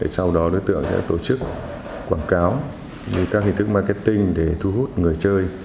sau đó đối tượng sẽ tổ chức quảng cáo các hình thức marketing để thu hút người chơi